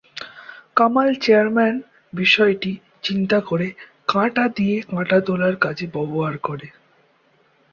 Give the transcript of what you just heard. Kamal chairman বিষয়টি চিন্তা করে কাঁটা দিয়ে কাঁটা তোলার কাজে ব্যবহার করে।